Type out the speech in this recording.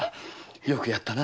よくやったな。